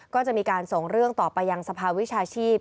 ก็จะมีการส่งเรื่องต่อไปยังสภาวิชาชีพ